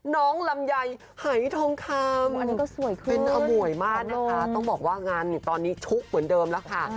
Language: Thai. ลำไยหายทองคำอันนี้ก็สวยขึ้นเป็นอมวยมากนะคะต้องบอกว่างานตอนนี้ชุกเหมือนเดิมแล้วค่ะ